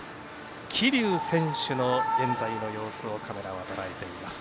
桐生選手の現在の様子をとらえています。